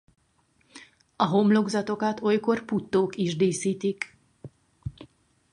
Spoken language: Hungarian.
A homlokzatokat olykor puttók is díszítik.